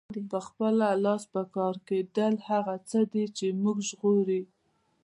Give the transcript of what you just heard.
په خپله لاس پکار کیدل هغه څه دي چې مونږ ژغوري.